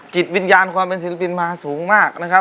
จิตวิญญาณความเป็นศิลปินมาสูงมากนะครับ